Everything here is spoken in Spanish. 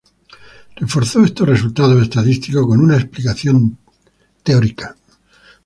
Reforzó estos resultados estadísticos con una explicación teórica.